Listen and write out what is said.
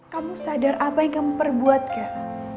kamu sadar apa yang kamu perbuatkan